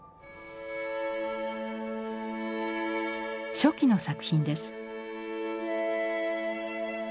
初期の作品です。